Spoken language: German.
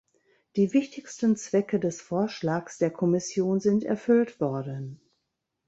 Die wichtigsten Zwecke des Vorschlags der Kommission sind erfüllt worden.